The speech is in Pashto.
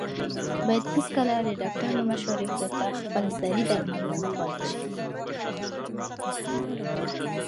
باید هېڅکله د ډاکټر له مشورې پرته خپلسري درمل ونه خوړل شي.